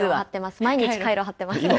毎日カイロ貼ってます。